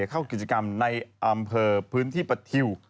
เข้ากิจกรรมในอำเภอพื้นที่ประทิว